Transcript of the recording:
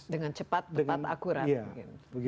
dengan cepat dengan akurat